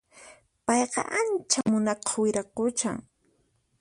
Payqa ancha munakuq wiraquchan